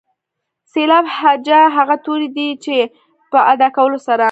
سېلاب هجا هغه توري دي چې په ادا کولو سره.